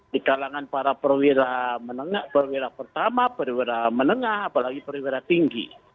di kalangan para perwira menengah perwira pertama perwira menengah apalagi perwira tinggi